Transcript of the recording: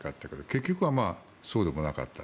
結局はそうでもなかった。